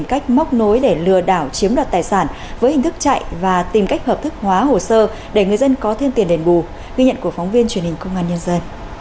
cảm ơn các bạn đã theo dõi và hẹn gặp lại